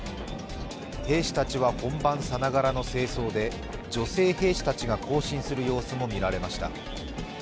兵士たちは本番さながらの正装で女性兵士たちが行進する様子も見られました。